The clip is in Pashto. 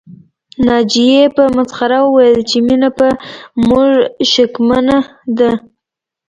ناجيې په مسخره وويل چې مينه په موږ شکمنه ده